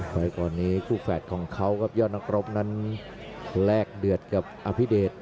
ไว้ก่อนนี้คู่แฝดของเขาครับยอดนักรบนั้นแลกเดือดกับอภิเดช